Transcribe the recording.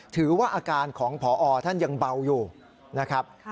ถือว่าอาการของพอท่านยังเบาอยู่นะครับ